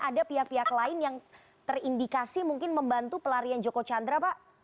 ada pihak pihak lain yang terindikasi mungkin membantu pelarian joko chandra pak